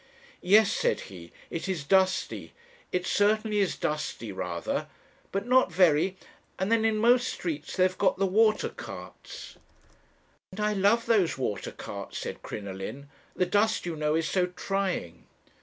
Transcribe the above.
"'Yes,' said he, 'it is dusty; it certainly is dusty, rather; but not very and then in most streets they've got the water carts.' "'Ah, I love those water carts!' said Crinoline; 'the dust, you know, is so trying.'